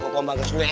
kau panggil dulu ya